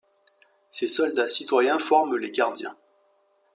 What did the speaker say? Ces soldats citoyens forment les Gardiens.